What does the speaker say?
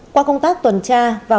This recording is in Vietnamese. qua công tác tuần tra